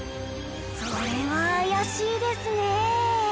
それは怪しいですねえ。